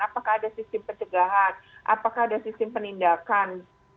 apakah ada sistem pencegahan apakah ada sistem penindakan